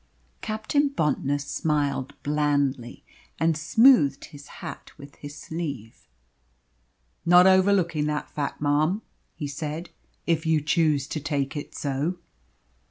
Captain Bontnor smiled blandly, and smoothed his hat with his sleeve. "Not overlooking that fact, marm," he said, "if you choose to take it so."